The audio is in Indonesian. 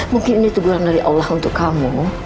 mungkin ini teguran dari allah untuk kamu